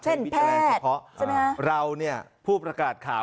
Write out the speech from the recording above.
ใช้วิทยาแรงเฉพาะใช่ไหมฮะเราเนี่ยผู้ประกาศข่าว